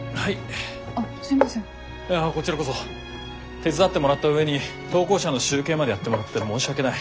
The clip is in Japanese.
手伝ってもらった上に投稿者の集計までやってもらって申し訳ない。